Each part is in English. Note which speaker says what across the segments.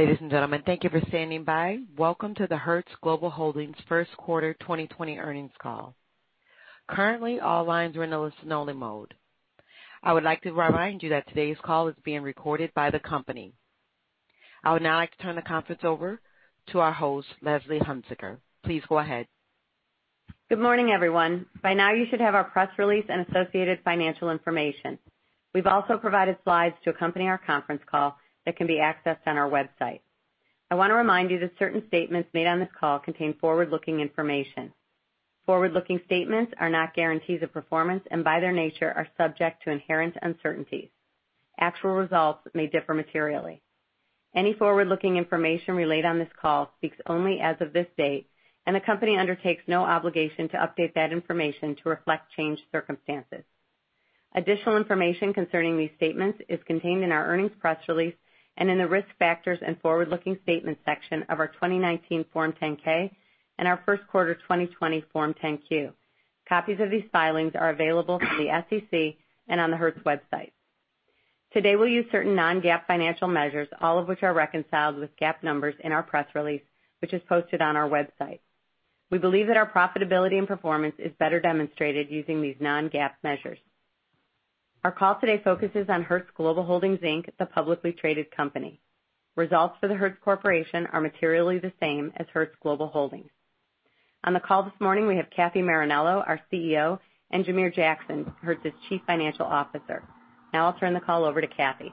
Speaker 1: Ladies and gentlemen, thank you for standing by. Welcome to the Hertz Global Holdings first quarter 2020 earnings call. Currently, all lines are in a listen-only mode. I would like to remind you that today's call is being recorded by the company. I would now like to turn the conference over to our host, Leslie Hunziker. Please go ahead.
Speaker 2: Good morning, everyone. By now, you should have our press release and associated financial information. We've also provided slides to accompany our conference call that can be accessed on our website. I want to remind you that certain statements made on this call contain forward-looking information. Forward-looking statements are not guarantees of performance and, by their nature, are subject to inherent uncertainties. Actual results may differ materially. Any forward-looking information relayed on this call speaks only as of this date, and the company undertakes no obligation to update that information to reflect changed circumstances. Additional information concerning these statements is contained in our earnings press release and in the risk factors and forward-looking statements section of our 2019 Form 10-K and our first quarter 2020 Form 10-Q. Copies of these filings are available from the SEC and on the Hertz website. Today, we'll use certain non-GAAP financial measures, all of which are reconciled with GAAP numbers in our press release, which is posted on our website. We believe that our profitability and performance is better demonstrated using these non-GAAP measures. Our call today focuses on Hertz Global Holdings Inc, the publicly traded company. Results for the Hertz Corporation are materially the same as Hertz Global Holdings. On the call this morning, we have Kathy Marinello, our CEO, and Jamere Jackson, Hertz's Chief Financial Officer. Now I'll turn the call over to Kathryn.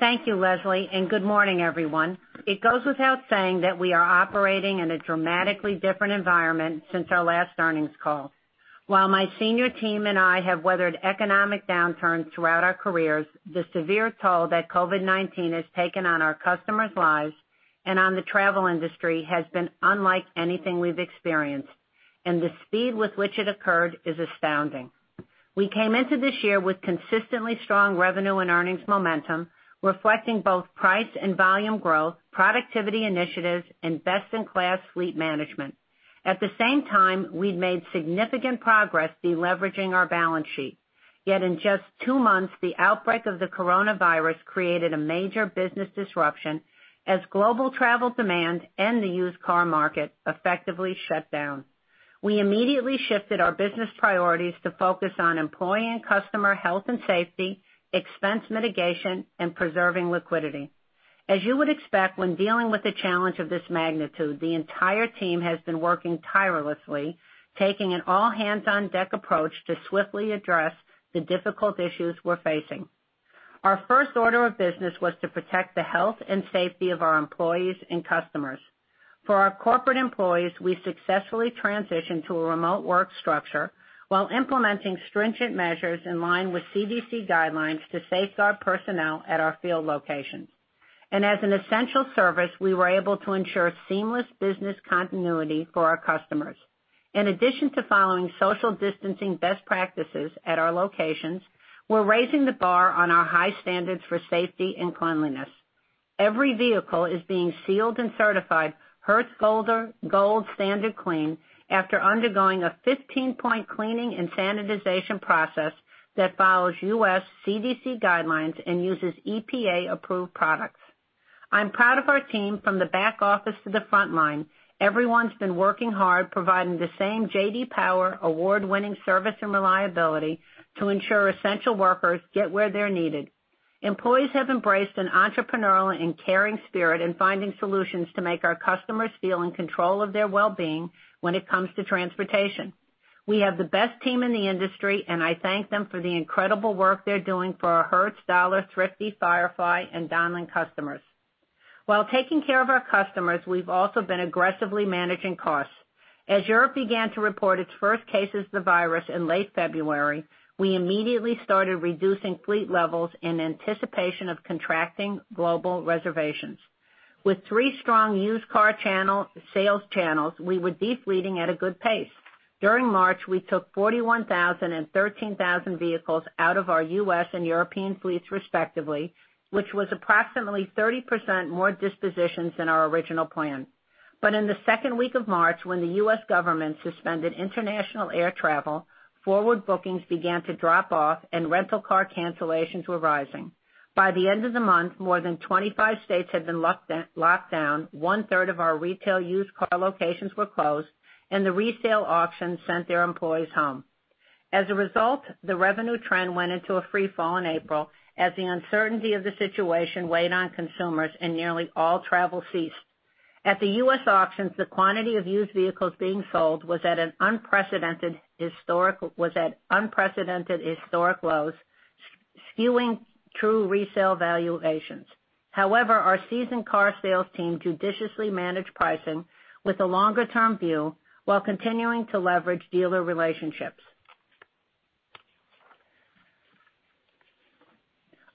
Speaker 3: Thank you, Leslie, and good morning, everyone. It goes without saying that we are operating in a dramatically different environment since our last earnings call. While my senior team and I have weathered economic downturns throughout our careers, the severe toll that COVID-19 has taken on our customers' lives and on the travel industry has been unlike anything we've experienced, and the speed with which it occurred is astounding. We came into this year with consistently strong revenue and earnings momentum, reflecting both price and volume growth, productivity initiatives, and best-in-class fleet management. At the same time, we'd made significant progress deleveraging our balance sheet. Yet, in just two months, the outbreak of the coronavirus created a major business disruption as global travel demand and the used car market effectively shut down. We immediately shifted our business priorities to focus on employee and customer health and safety, expense mitigation, and preserving liquidity. As you would expect, when dealing with a challenge of this magnitude, the entire team has been working tirelessly, taking an all-hands-on-deck approach to swiftly address the difficult issues we're facing. Our first order of business was to protect the health and safety of our employees and customers. For our corporate employees, we successfully transitioned to a remote work structure while implementing stringent measures in line with CDC guidelines to safeguard personnel at our field locations. As an essential service, we were able to ensure seamless business continuity for our customers. In addition to following social distancing best practices at our locations, we're raising the bar on our high standards for safety and cleanliness. Every vehicle is being sealed and certified Hertz Gold Standard Clean after undergoing a 15-point cleaning and sanitization process that follows U.S. CDC guidelines and uses EPA-approved products. I'm proud of our team from the back office to the front line. Everyone's been working hard, providing the same J.D. Power award-winning service and reliability to ensure essential workers get where they're needed. Employees have embraced an entrepreneurial and caring spirit in finding solutions to make our customers feel in control of their well-being when it comes to transportation. We have the best team in the industry, and I thank them for the incredible work they're doing for our Hertz, Dollar, Thrifty, Firefly, and Donlen customers. While taking care of our customers, we've also been aggressively managing costs. As Europe began to report its first cases of the virus in late February, we immediately started reducing fleet levels in anticipation of contracting global reservations. With three strong used car sales channels, we were defleeting at a good pace. During March, we took 41,000 and 13,000 vehicles out of our U.S. and European fleets, respectively, which was approximately 30% more dispositions than our original plan. In the second week of March, when the U.S. government suspended international air travel, forward bookings began to drop off, and rental car cancellations were rising. By the end of the month, more than 25 states had been locked down, 1/3 of our retail used car locations were closed, and the resale auctions sent their employees home. As a result, the revenue trend went into a freefall in April as the uncertainty of the situation weighed on consumers, and nearly all travel ceased. At the U.S. auctions, the quantity of used vehicles being sold was at unprecedented historic lows, skewing true resale valuations. However, our seasoned car sales team judiciously managed pricing with a longer-term view while continuing to leverage dealer relationships.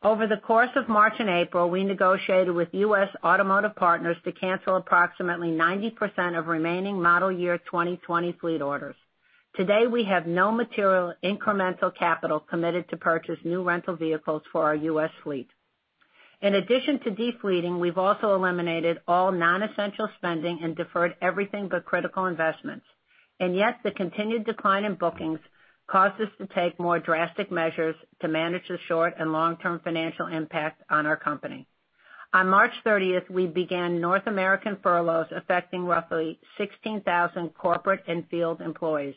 Speaker 3: Over the course of March and April, we negotiated with U.S. automotive partners to cancel approximately 90% of remaining model year 2020 fleet orders. Today, we have no material incremental capital committed to purchase new rental vehicles for our U.S. fleet. In addition to defleeting, we've also eliminated all non-essential spending and deferred everything but critical investments. Yet, the continued decline in bookings caused us to take more drastic measures to manage the short and long-term financial impact on our company. On March 30th, we began North American furloughs affecting roughly 16,000 corporate and field employees.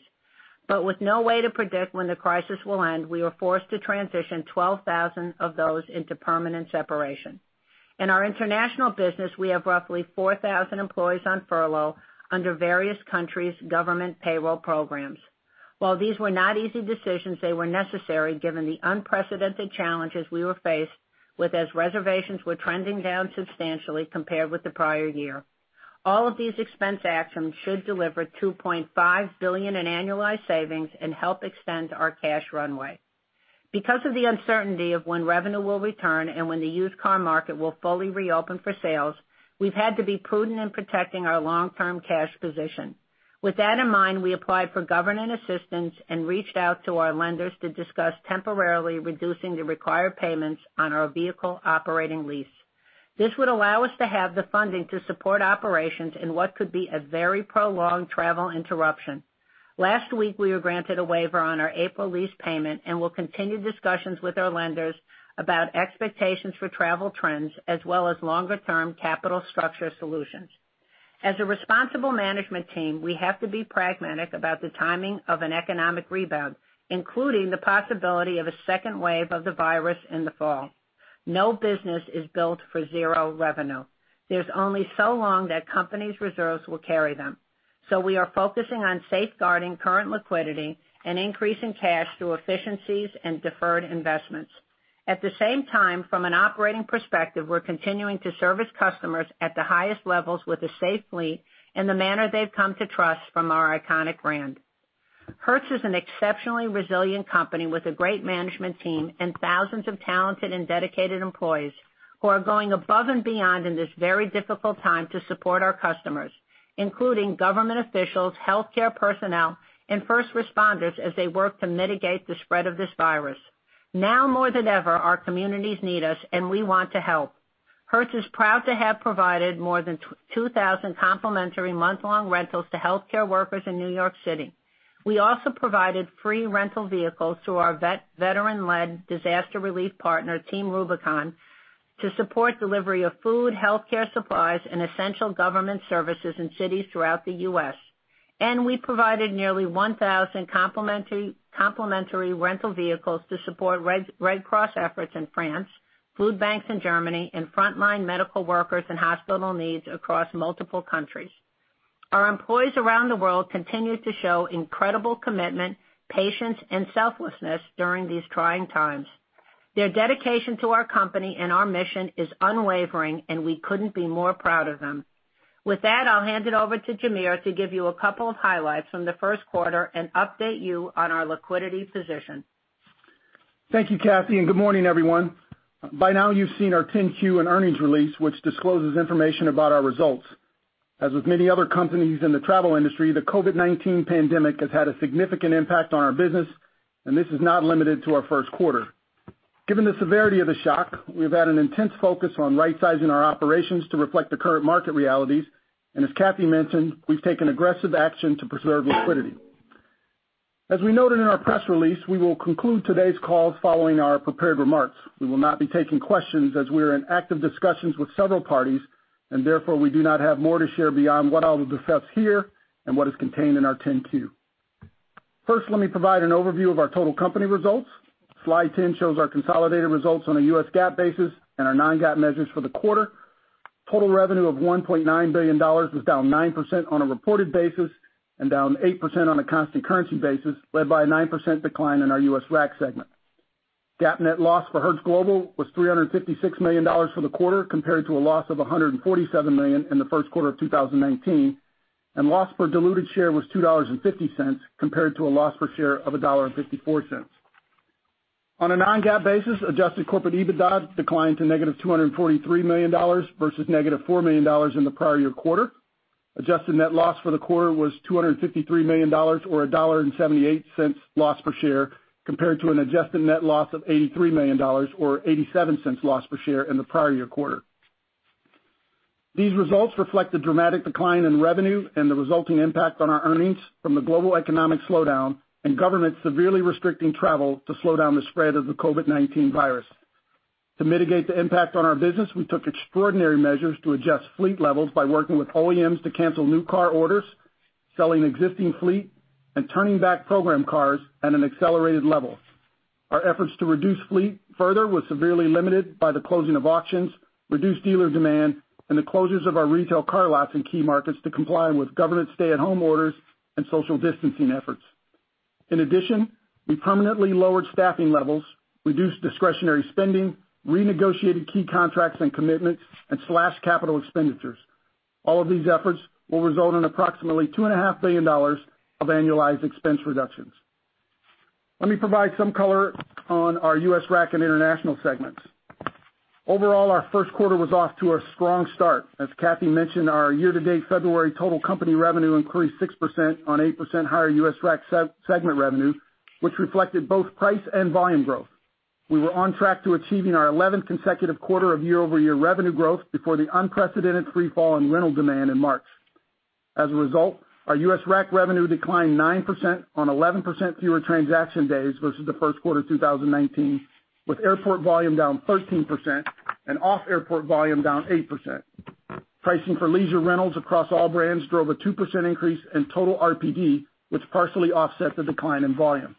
Speaker 3: With no way to predict when the crisis will end, we were forced to transition 12,000 of those into permanent separation. In our international business, we have roughly 4,000 employees on furlough under various countries' government payroll programs. While these were not easy decisions, they were necessary given the unprecedented challenges we were faced with as reservations were trending down substantially compared with the prior year. All of these expense actions should deliver $2.5 billion in annualized savings and help extend our cash runway. Because of the uncertainty of when revenue will return and when the used car market will fully reopen for sales, we've had to be prudent in protecting our long-term cash position. With that in mind, we applied for government assistance and reached out to our lenders to discuss temporarily reducing the required payments on our vehicle operating lease. This would allow us to have the funding to support operations in what could be a very prolonged travel interruption. Last week, we were granted a waiver on our April lease payment and will continue discussions with our lenders about expectations for travel trends as well as longer-term capital structure solutions. As a responsible management team, we have to be pragmatic about the timing of an economic rebound, including the possibility of a second wave of the virus in the fall. No business is built for zero revenue. There is only so long that companies' reserves will carry them. We are focusing on safeguarding current liquidity and increasing cash through efficiencies and deferred investments. At the same time, from an operating perspective, we are continuing to service customers at the highest levels with a safe fleet in the manner they have come to trust from our iconic brand. Hertz is an exceptionally resilient company with a great management team and thousands of talented and dedicated employees who are going above and beyond in this very difficult time to support our customers, including government officials, healthcare personnel, and first responders as they work to mitigate the spread of this virus. Now more than ever, our communities need us, and we want to help. Hertz is proud to have provided more than 2,000 complimentary month-long rentals to healthcare workers in New York City. We also provided free rental vehicles through our veteran-led disaster relief partner, Team Rubicon, to support delivery of food, healthcare supplies, and essential government services in cities throughout the U.S. We provided nearly 1,000 complimentary rental vehicles to support Red Cross efforts in France, food banks in Germany, and frontline medical workers and hospital needs across multiple countries. Our employees around the world continue to show incredible commitment, patience, and selflessness during these trying times. Their dedication to our company and our mission is unwavering, and we couldn't be more proud of them. With that, I'll hand it over to Jamere to give you a couple of highlights from the first quarter and update you on our liquidity position.
Speaker 4: Thank you, Kathy, and good morning, everyone. By now, you've seen our 10-Q and earnings release, which discloses information about our results. As with many other companies in the travel industry, the COVID-19 pandemic has had a significant impact on our business, and this is not limited to our first quarter. Given the severity of the shock, we've had an intense focus on right-sizing our operations to reflect the current market realities. As Kathy mentioned, we've taken aggressive action to preserve liquidity. As we noted in our press release, we will conclude today's calls following our prepared remarks. We will not be taking questions as we are in active discussions with several parties, and therefore, we do not have more to share beyond what I will discuss here and what is contained in our 10-Q. First, let me provide an overview of our total company results. Slide 10 shows our consolidated results on a U.S. GAAP basis and our non-GAAP measures for the quarter. Total revenue of $1.9 billion was down 9% on a reported basis and down 8% on a constant currency basis, led by a 9% decline in our U.S. RAC segment. GAAP net loss for Hertz Global was $356 million for the quarter, compared to a loss of $147 million in the first quarter of 2019. Loss per diluted share was $2.50, compared to a loss per share of $1.54. On a non-GAAP basis, adjusted corporate EBITDA declined to negative $243 million versus negative $4 million in the prior year quarter. Adjusted net loss for the quarter was $253 million, or $1.78 loss per share, compared to an adjusted net loss of $83 million, or $0.87 loss per share in the prior year quarter. These results reflect the dramatic decline in revenue and the resulting impact on our earnings from the global economic slowdown and governments severely restricting travel to slow down the spread of the COVID-19 virus. To mitigate the impact on our business, we took extraordinary measures to adjust fleet levels by working with D to cancel new car orders, selling existing fleet, and turning back program cars at an accelerated level. Our efforts to reduce fleet further were severely limited by the closing of auctions, reduced dealer demand, and the closures of our retail car lots in key markets to comply with government stay-at-home orders and social distancing efforts. In addition, we permanently lowered staffing levels, reduced discretionary spending, renegotiated key contracts and commitments, and slashed capital expenditures. All of these efforts will result in approximately $2.5 billion of annualized expense reductions. Let me provide some color on our U.S. RAC and international segments. Overall, our first quarter was off to a strong start. As Kathy mentioned, our year-to-date February total company revenue increased 6% on 8% higher U.S. RAC segment revenue, which reflected both price and volume growth. We were on track to achieving our 11th consecutive quarter of year-over-year revenue growth before the unprecedented freefall in rental demand in March. As a result, our U.S. RAC revenue declined 9% on 11% fewer transaction days versus the first quarter of 2019, with airport volume down 13% and off-airport volume down 8%. Pricing for leisure rentals across all brands drove a 2% increase in total RPD, which partially offset the decline in volume.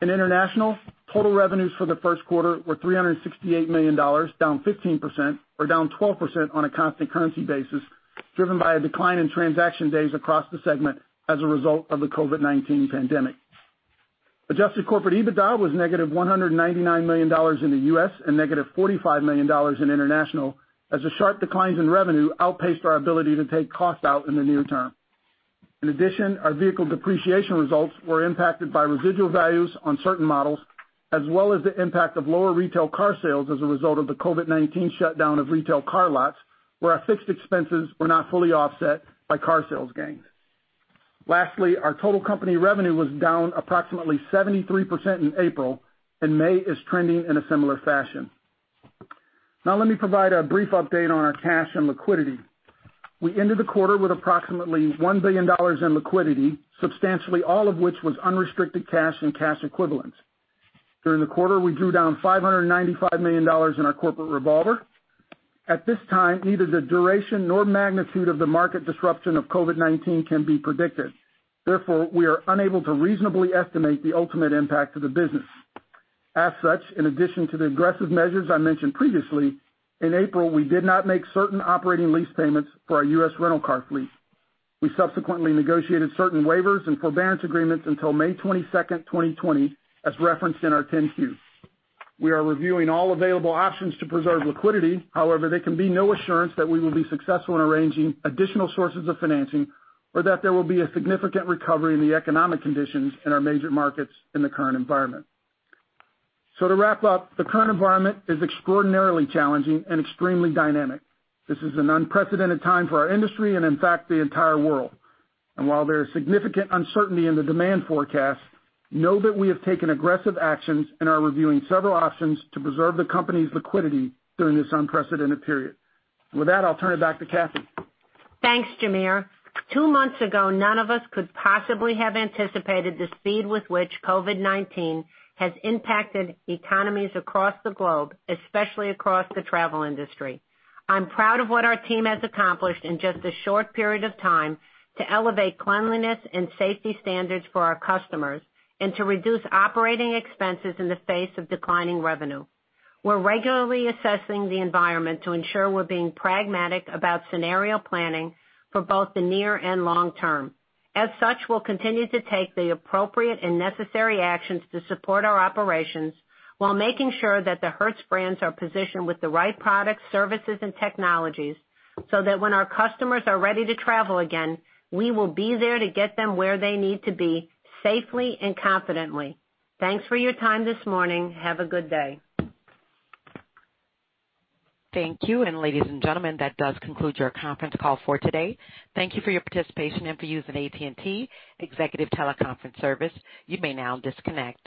Speaker 4: In international, total revenues for the first quarter were $368 million, down 15%, or down 12% on a constant currency basis, driven by a decline in transaction days across the segment as a result of the COVID-19 pandemic. Adjusted Corporate EBITDA was negative $199 million in the U.S. and negative $45 million in international, as the sharp declines in revenue outpaced our ability to take costs out in the near term. In addition, our vehicle depreciation results were impacted by residual values on certain models, as well as the impact of lower retail car sales as a result of the COVID-19 shutdown of retail car lots, where our fixed expenses were not fully offset by car sales gains. Lastly, our total company revenue was down approximately 73% in April, and May is trending in a similar fashion. Now, let me provide a brief update on our cash and liquidity. We ended the quarter with approximately $1 billion in liquidity, substantially all of which was unrestricted cash and cash equivalents. During the quarter, we drew down $595 million in our corporate revolver. At this time, neither the duration nor magnitude of the market disruption of COVID-19 can be predicted. Therefore, we are unable to reasonably estimate the ultimate impact of the business. As such, in addition to the aggressive measures I mentioned previously, in April, we did not make certain operating lease payments for our U.S. rental car fleet. We subsequently negotiated certain waivers and forbearance agreements until May 22nd, 2020, as referenced in our 10-Q. We are reviewing all available options to preserve liquidity. However, there can be no assurance that we will be successful in arranging additional sources of financing or that there will be a significant recovery in the economic conditions in our major markets in the current environment. To wrap up, the current environment is extraordinarily challenging and extremely dynamic. This is an unprecedented time for our industry and, in fact, the entire world. While there is significant uncertainty in the demand forecast, know that we have taken aggressive actions and are reviewing several options to preserve the company's liquidity during this unprecedented period. With that, I'll turn it back to Kathy.
Speaker 3: Thanks, Jamere. Two months ago, none of us could possibly have anticipated the speed with which COVID-19 has impacted economies across the globe, especially across the travel industry. I'm proud of what our team has accomplished in just a short period of time to elevate cleanliness and safety standards for our customers and to reduce operating expenses in the face of declining revenue. We're regularly assessing the environment to ensure we're being pragmatic about scenario planning for both the near and long term. As such, we'll continue to take the appropriate and necessary actions to support our operations while making sure that the Hertz brands are positioned with the right products, services, and technologies so that when our customers are ready to travel again, we will be there to get them where they need to be safely and confidently. Thanks for your time this morning. Have a good day.
Speaker 1: Thank you. Ladies and gentlemen, that does conclude your conference call for today. Thank you for your participation and for using AT&T Executive Teleconference Service. You may now disconnect.